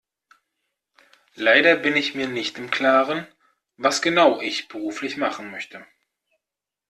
Leider bin ich mir nicht im Klaren, was genau ich beruflich machen möchte.